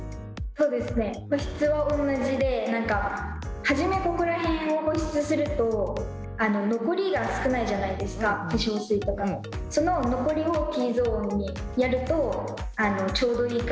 そうですね保湿は同じで初めここら辺を保湿すると残りが少ないじゃないですか化粧水とかのその残りをＴゾーンにやるとちょうどいい感じに保湿されるので。